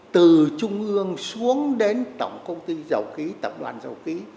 từ trung ương xuống đến tổng công ty giàu ký tập đoàn giàu ký